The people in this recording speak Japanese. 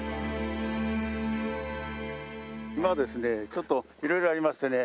今ですねちょっと色々ありましてね